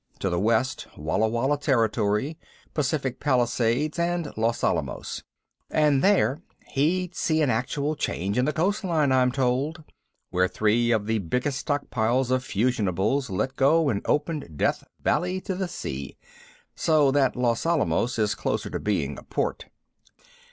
To the west, Walla Walla Territory, Pacific Palisades, and Los Alamos and there he'd see an actual change in the coastline, I'm told, where three of the biggest stockpiles of fusionables let go and opened Death Valley to the sea so that Los Alamos is closer to being a port.